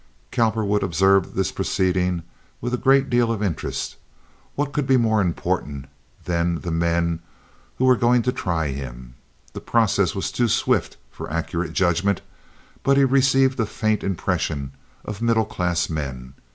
Cowperwood observed this proceeding with a great deal of interest. What could be more important than the men who were going to try him? The process was too swift for accurate judgment, but he received a faint impression of middle class men.